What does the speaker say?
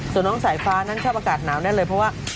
ส่วนน้องสายฟ้านั้นชอบอากาศหนาวแน่นเลยเพราะว่า